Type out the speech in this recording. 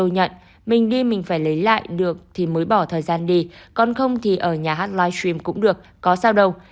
nam em hé lộ